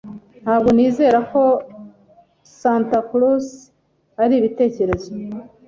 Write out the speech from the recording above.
Ntabwo nizera ko Santa Claus ari ibitekerezo.